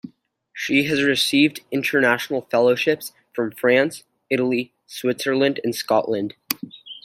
She has received international fellowships from France, Italy, Switzerland, and Scotland.